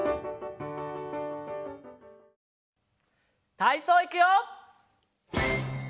たいそういくよ！